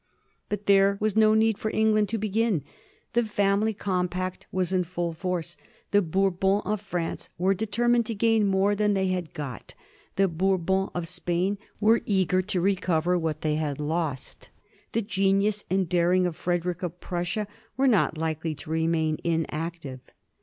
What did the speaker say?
But there was no need for England to begin. The Family Compact was in full force. The Bourbons of France were deter mined to gain more than they had got; the Bourbons of Spain were eager to recover what they had lost. The genius and daring of Frederick of Prussia were not likely to remain inactive.